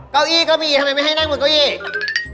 เก้าอี้ก็มีทำไมไม่ให้นั่งบนเก้าอี้